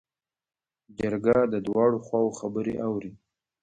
جرګه د دواړو خواوو خبرې اوري.